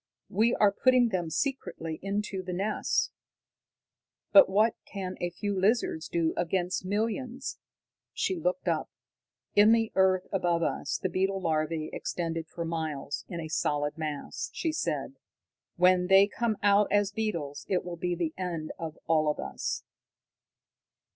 "We are putting them secretly into the nests. But what can a few lizards do against millions." She looked up. "In the earth above us, the beetle larvae extend for miles, in a solid mass," she said. "When they come out as beetles, it will be the end of all of us."